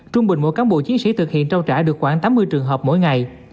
trung bình mỗi cán bộ chiến sĩ thực hiện trao trả được khoảng tám mươi trường hợp mỗi ngày